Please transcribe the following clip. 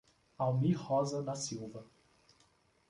Almir Rosa da Silva